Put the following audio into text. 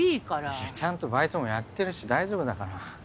いやちゃんとバイトもやってるし大丈夫だから。